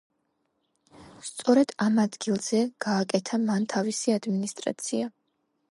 სწორედ ამ ადგილზე გააკეთა მან თავისი ადმინისტრაცია.